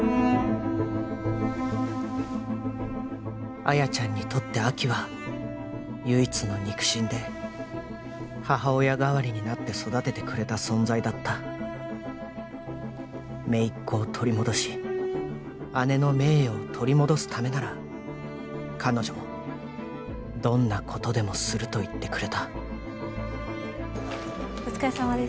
亜矢ちゃんにとって亜希は唯一の肉親で母親代わりになって育ててくれた存在だった姪っ子を取り戻し姉の名誉を取り戻すためなら彼女もどんなことでもすると言ってくれたお疲れさまです